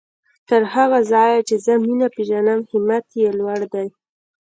تر هغه ځايه چې زه مينه پېژنم همت يې لوړ دی.